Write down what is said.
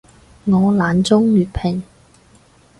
我懶裝粵拼